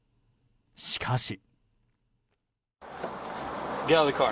しかし。